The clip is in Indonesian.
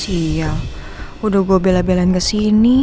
siang udah gue bela belan kesini